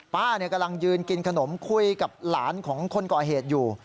ป้ากำลังยืนกินขนมคุยกับหลานของคนก่อเหตุอยู่